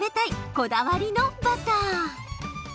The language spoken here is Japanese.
こだわりのバター。